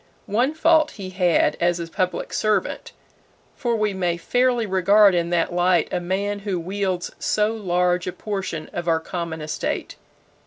One fault he had as a public servant for we may fairly regard in that light a man who wields so large a portion of our common estate.